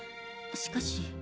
しかし。